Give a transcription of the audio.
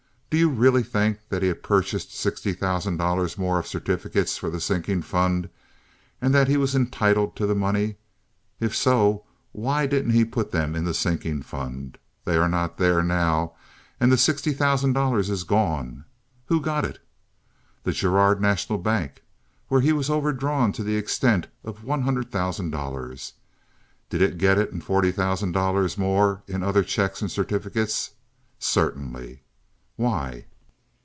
Do you really think that he had purchased sixty thousand dollars more of certificates for the sinking fund, and that he was entitled to the money? If so, why didn't he put them in the sinking fund? They're not there now, and the sixty thousand dollars is gone. Who got it? The Girard National Bank, where he was overdrawn to the extent of one hundred thousand dollars! Did it get it and forty thousand dollars more in other checks and certificates? Certainly. Why?